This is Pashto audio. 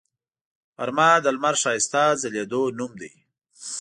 غرمه د لمر ښایسته ځلیدو نوم دی